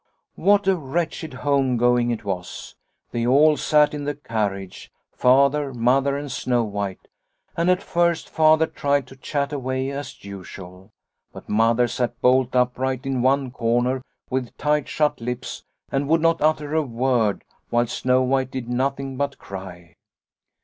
" What a wretched home going it was ! They all sat in the carriage, Father, Mother, and Snow White, and at first Father tried to chat away as usual. But Mother sat bolt upright in one corner with tight shut lips and would not utter a word, whilst Snow White did nothing but cry.